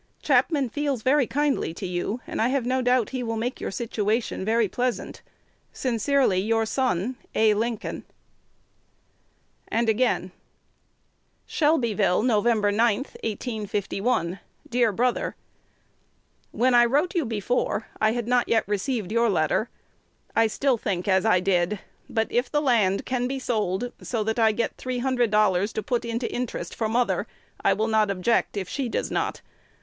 Chapman feels very kindly to you; and I have no doubt he will make your situation very pleasant. Sincerely your son, A. Lincoln. And again: Shelbyville, Nov. 9,1851. Dear Brother, When I wrote you before, I had not received your letter. I still think as I did; but if the land can be sold so that I get three hundred dollars to put to interest for mother, I will not object, if she does not.